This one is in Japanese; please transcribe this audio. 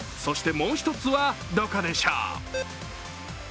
もう一つはどこでしょう。